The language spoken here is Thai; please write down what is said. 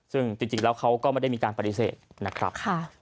ซึ่งจริงแล้วเขาก็ไม่ได้มีการปฏิเสธนะครับ